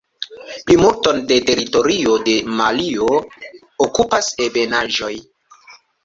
Plimulton de teritorio de Malio okupas ebenaĵoj.